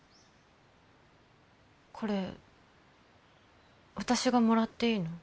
これ私がもらっていいの？